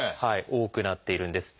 多くなっているんです。